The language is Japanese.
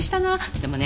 でもね